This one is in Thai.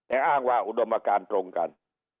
อ้างว่าอุดมการตรงกัน